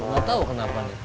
gak tau kenapa